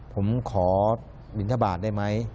ผมขอบินทบาทได้ไหม